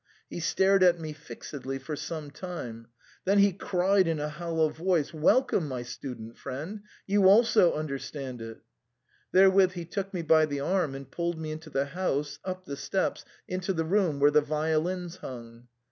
He stared at me fixedly for some time ; then he cried in a hollow voice, " Welcome, my student friend ! you also understand it !" Therewith he took me by the arm and pulled me into the house, up the steps, into the room where the violins hung.